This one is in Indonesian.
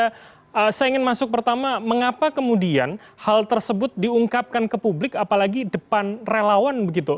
saya ingin masuk pertama mengapa kemudian hal tersebut diungkapkan ke publik apalagi depan relawan begitu